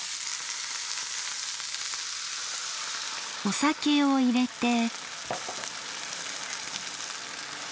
お酒を入れて。